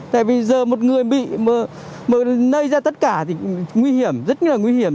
tại vì giờ một người bị lây ra tất cả thì nguy hiểm rất là nguy hiểm